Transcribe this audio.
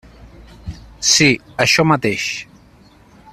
Sí, això mateix.